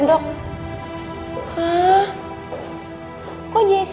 iya dok hah kok jessy gak ada